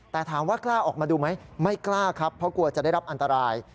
แต่ถามว่ากล้าออกมาดูไหมไม่กล้าครับเพราะกลัวจะได้รับอันตราย